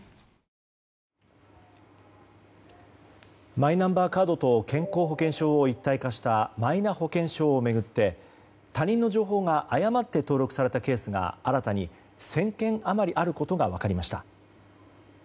マイナンバーカードと健康保険証を一体化したマイナ保険証を巡って他人の情報が誤って登録されたケースが新たに１０００件余りあることが分かりました。